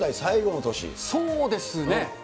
そうですね。